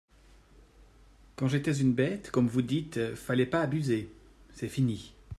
Quand j'étais une bête, comme vous dites, fallait pas abuser … C'est fini.